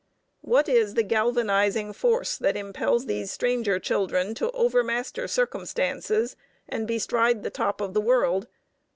What is the galvanizing force that impels these stranger children to overmaster circumstances and bestride the top of the world?